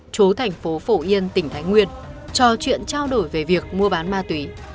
chú thành phố phổ yên tỉnh thái nguyên trò chuyện trao đổi về việc mua bán ma túy